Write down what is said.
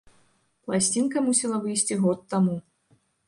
Пласцінка мусіла выйсці год таму.